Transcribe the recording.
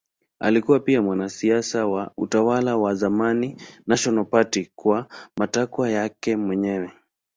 Alikuwa pia mwanasiasa wa utawala wa zamani National Party kwa matakwa yake mwenyewe.